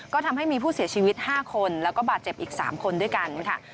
ก็ทำให้มีผู้เสียชีวิต๕คนแล้วก็บาดเจ็บอีก๓คนด้วยกันค่ะ